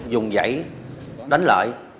dùng dãy đánh lợi